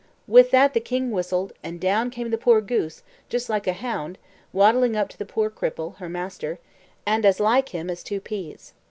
With that the king whistled, and down came the poor goose, just like a hound, waddling up to the poor cripple, her master, and as like him as two peas.